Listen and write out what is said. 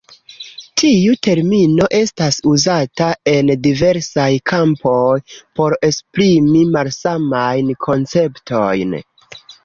Tiu termino estas uzata en diversaj kampoj por esprimi malsamajn konceptojn.